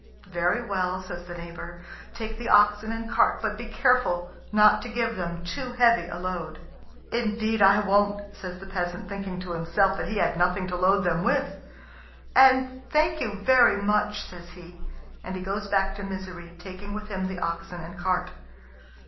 "Very well," says the neighbour; "take the oxen and cart, but be careful not to give them too heavy a load." "Indeed I won't," says the peasant, thinking to himself that he had nothing to load them with. "And thank you very much," says he; and he goes back to Misery, taking with him the oxen and cart.